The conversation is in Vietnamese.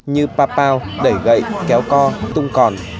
như papao đẩy gậy kéo co tung còn